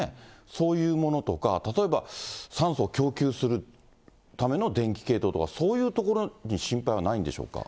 そういうものとか、例えば酸素供給するための電気系統とか、そういうところの心配はないんでしょうか。